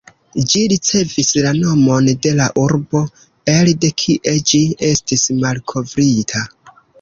Ĝi ricevis la nomon de la urbo elde kie ĝi estis malkovrita.